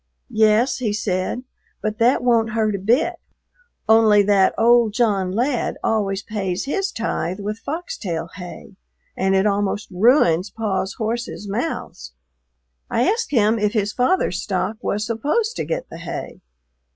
"Yes," he said, "but that won't hurt a bit, only that old John Ladd always pays his tithe with foxtail hay and it almost ruins Paw's horses' mouths." I asked him if his father's stock was supposed to get the hay.